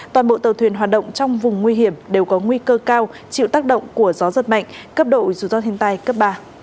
toàn bộ tàu thuyền hoạt động trong vùng nguy hiểm đều có nguy cơ cao chịu tác động của gió giật mạnh cấp độ rủi ro thiên tai cấp ba